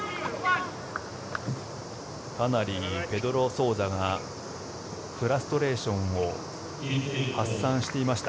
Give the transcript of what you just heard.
かなりペドロ・ソウザがフラストレーションを発散していました。